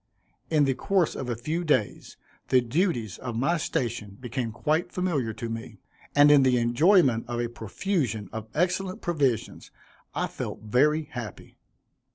In the course of a few days the duties of my station became quite familiar to me; and in the enjoyment of a profusion of excellent provisions, I felt very happy.